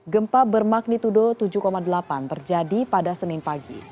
gempa bermagnitudo tujuh delapan terjadi pada senin pagi